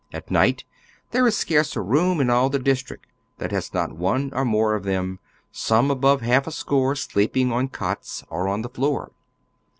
At night there is scarce a room in all the district that has not one or more of tliem, some above half a score, sleeping on cots, or on the floor.